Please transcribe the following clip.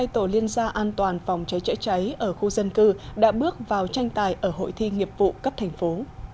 hai mươi hai tổ liên gia an toàn phòng chế chữa cháy ở khu dân cư đã bước vào tranh tài ở hội thi nghiệp vụ cấp thành phố